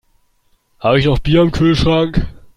Habe ich noch Bier im Kühlschrank?